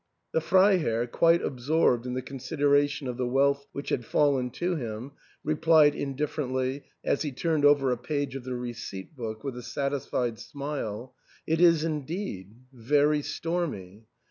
The Freiherr, quite absorbed in the consideration of the wealth which had fallen to him, replied indifferently, as he turned over a page of the receipt book with a sat isfied smile, "It is indeed ; very stormy